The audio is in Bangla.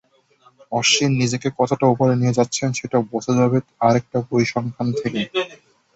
অশ্বিন নিজেকে কতটা ওপরে নিয়ে যাচ্ছেন, সেটা বোঝা যাবে আরেকটা পরিসংখ্যান থেকে।